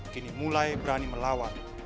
kini mulai berani melawan